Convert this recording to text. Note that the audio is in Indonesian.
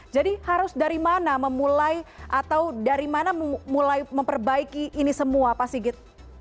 jadi harus dari mana memulai atau dari mana memulai memperbaiki ini semua pak sigit